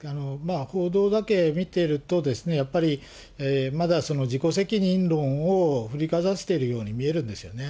報道だけ見てると、やっぱりまだ自己責任論を振りかざしてるように見えるんですよね。